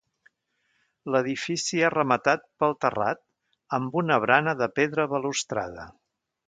L'edifici és rematat pel terrat, amb una barana de pedra balustrada.